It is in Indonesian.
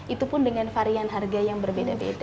itu pun dengan varian harga yang berbeda beda